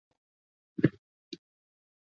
که څه هم ځمکه د کار موضوع کیدای شي.